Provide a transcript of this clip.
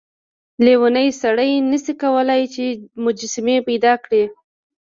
لیونی سړی نشي کولای چې مجسمې پیدا کړي.